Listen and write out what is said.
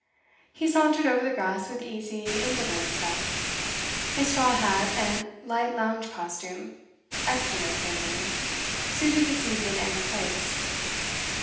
He sauntered over the grass with easy, indolent step; his straw hat and light lounge costume (excellent tailoring) suited the season and the place.